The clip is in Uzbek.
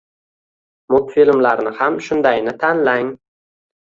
Multfilmlarni ham shundayini tanlang.